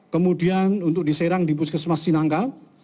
kemudian untuk diserang di puskesmas sinangka